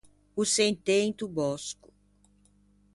O sentê into bòsco.